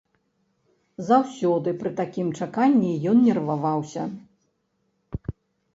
Заўсёды пры такім чаканні ён нерваваўся.